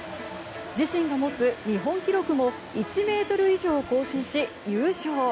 自身が持つ日本記録も１ｍ以上更新し、優勝。